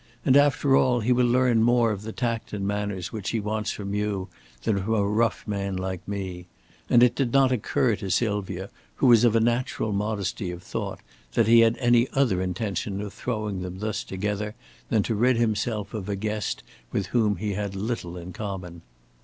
And after all, he will learn more of the tact and manners which he wants from you than from a rough man like me," and it did not occur to Sylvia, who was of a natural modesty of thought, that he had any other intention of throwing them thus together than to rid himself of a guest with whom he had little in common.